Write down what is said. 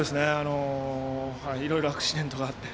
いろいろアクシデントがあって。